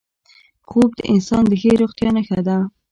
خوب د انسان د ښې روغتیا نښه ده